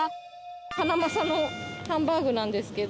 ハナマサのハンバーグなんですけど。